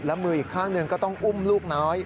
และมืออีกข้างหนึ่งก็ต้องอุ้มลูกน้อย